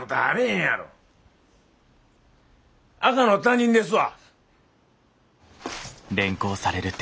赤の他人ですわ。